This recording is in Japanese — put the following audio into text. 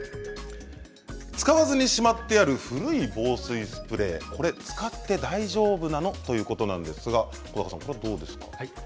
使わずにしまってある古い防水スプレーは使って大丈夫なの？ということなんですがいかがですか？